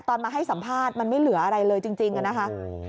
มาให้สัมภาษณ์มันไม่เหลืออะไรเลยจริงอะนะคะ